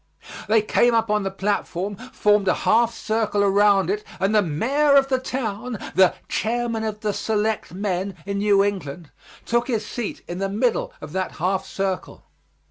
They came up on the platform, formed a half circle around it, and the mayor of the town, the "chairman of the Selectmen" in New England, took his seat in the middle of that half circle.